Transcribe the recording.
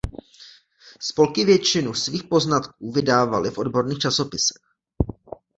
Spolky většinu svých poznatků vydávali v odborných časopisech.